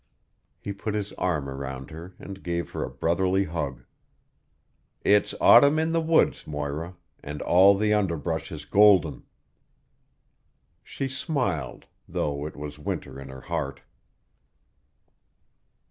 He put his arm around her and gave her a brotherly hug. "It's autumn in the woods, Moira, and all the underbrush is golden." She smiled, though it was winter in her heart.